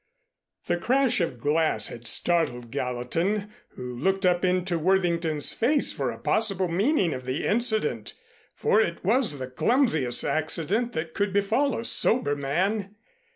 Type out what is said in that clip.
The crash of glass had startled Gallatin, who looked up into Worthington's face for a possible meaning of the incident, for it was the clumsiest accident that could befall a sober man.